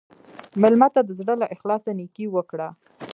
مېلمه ته د زړه له اخلاصه نیکي وکړه.